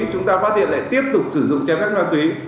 chúng ta phát hiện lại tiếp tục sử dụng trái phép ma túy